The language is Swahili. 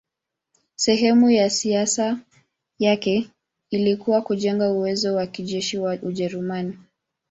Sehemu ya siasa yake ilikuwa kujenga uwezo wa kijeshi wa Ujerumani.